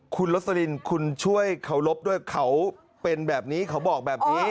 คุณลสลินคุณช่วยเคารพด้วยเขาเป็นแบบนี้เขาบอกแบบนี้